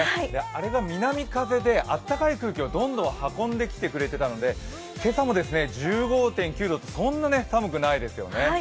あれが南風で暖かい空気をどんどん運んできてくれてたので、今朝も１５．９度と、そんなに寒くないですよね。